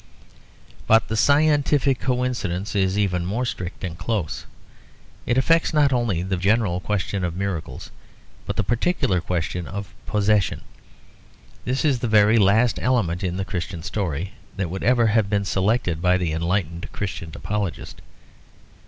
But the scientific coincidence is even more strict and close. It affects not only the general question of miracles, but the particular question of possession. This is the very last element in the Christian story that would ever have been selected by the enlightened Christian apologist.